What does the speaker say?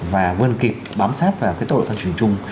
và vươn kịp bám sát vào cái tốc độ tăng trưởng chung